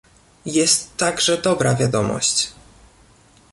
Jest także dobra wiadomość